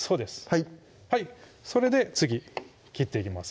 はいそれで次切っていきます